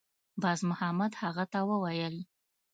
بازمحمد هغه ته وویل